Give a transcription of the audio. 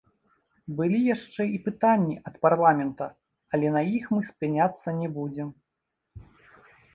Былі яшчэ і пытанні ад парламента, але на іх мы спыняцца не будзем.